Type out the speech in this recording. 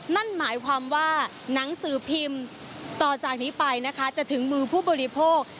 นั่นหมายความว่าหนังสือพิมพ์ต่อจากนี้ไปนะคะจะถึงมือผู้บริโภค